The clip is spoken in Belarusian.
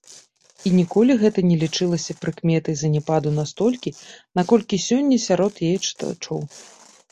І ніколі гэта не лічылася прыкметай заняпаду настолькі, наколькі сёння сярод яе чытачоў.